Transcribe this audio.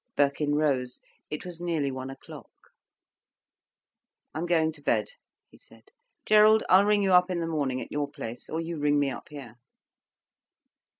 Birkin rose. It was nearly one o'clock. "I'm going to bed," he said. "Gerald, I'll ring you up in the morning at your place or you ring me up here."